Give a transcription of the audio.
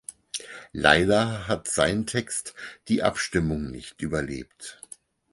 Leider hat sein Text die Abstimmung nicht überlebt.